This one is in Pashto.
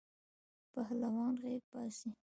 پهلوان غیږ باسی.